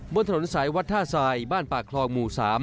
บนถนนสายวัดท่าทรายบ้านปากคลองหมู่๓